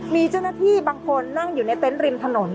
มีเจ้าหน้าที่บางคนนั่งอยู่ในเต็นต์ริมถนน